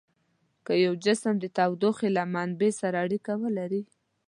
که یو جسم د تودوخې له منبع سره اړیکه ولري.